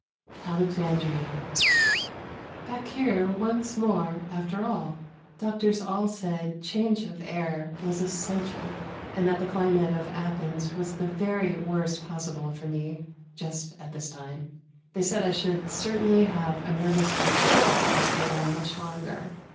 Alexandria. Back here once more after all. Doctors all said change of air was essential, and that the climate of Athens was the very worst possible for me, just at this time. They said I should certainly have a nervous breakdown if I stayed on much longer.